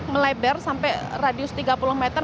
melebar sampai radius tiga puluh meter